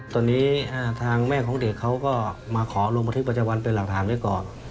ตอนนี้ทางแม่ของเด็กเขาก็มาขอลงบันทึกประจำวันเป็นหลักฐานไว้ก่อน